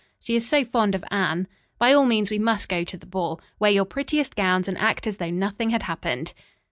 She is so fond of Anne. By all means we must go to the ball. Wear your prettiest gowns and act as though nothing had happened."